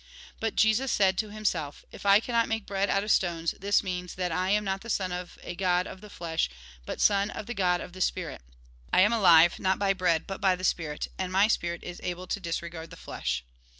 But Jesus said to himself :" If T cannot make bread out of stones, this means that I am not Son of a God of the flesh, but Son of the God of the spirit. I am alive, not by bread, but by the spirit. And my spirit is able to disregard the flesh."